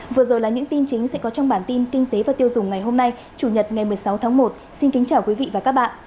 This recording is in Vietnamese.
vừa rồi là những tin chính sẽ có trong bản tin kinh tế và tiêu dùng ngày hôm nay chủ nhật ngày một mươi sáu tháng một xin kính chào quý vị và các bạn